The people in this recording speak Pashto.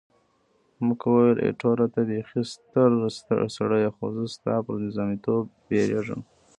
مک وویل، ایټوره ته بیخي ستر سړی یې، خو زه ستا پر نظامیتوب بیریږم.